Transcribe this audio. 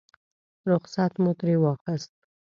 رخصت مو ترې واخیست.